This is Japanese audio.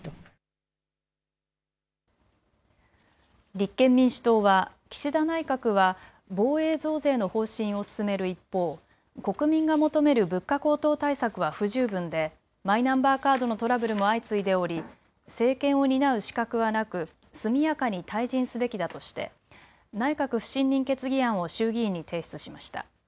立憲民主党は岸田内閣は防衛増税の方針を進める一方、国民が求める物価高騰対策は不十分でマイナンバーカードのトラブルも相次いでおり政権を担う資格はなく速やかに退陣すべきだとして内閣不信任決議案を衆議院に提出しました。